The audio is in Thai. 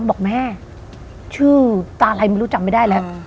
ตาอะไรหรือไม่รู้จำไม่ได้แล้ว